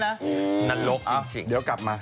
เอาเดี๋ยวกลับมา